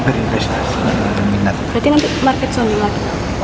berarti nanti market soli lagi